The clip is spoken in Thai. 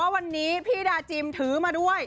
เอาล่ะวันนี้พี่ดาจิมถือมาด้วย